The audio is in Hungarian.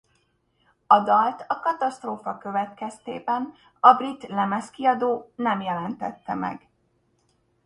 A dalt a katasztrófa következtében a brit lemezkiadó nem jelentette meg.